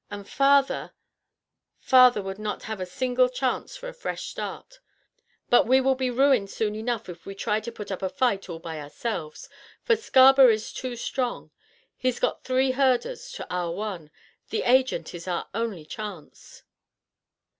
And father—father would not have a single chance for a fresh start. But we will be ruined soon enough if we try to put up a fight all by ourselves, for Scarberry's too strong; he's got three herders to our one. The Agent is our only chance."